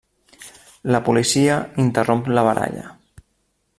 La policia interromp la baralla.